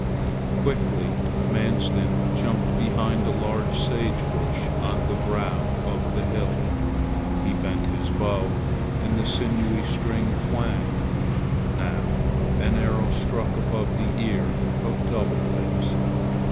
Quickly Manstin jumped behind a large sage bush on the brow of the hill. He bent his bow and the sinewy string twanged. Now an arrow stuck above the ear of Double Face.